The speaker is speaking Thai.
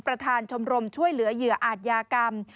ประธานชมรมช่วยเหลือเหยื่ออาจยากรรม